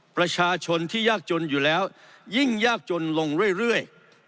ประชาชนที่ยากจนอยู่แล้วยิ่งยากจนลงเรื่อย